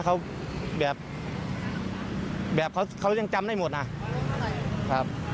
เขาแบบเขายังจำได้หมดนะครับ